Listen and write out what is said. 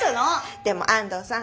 でも安藤さん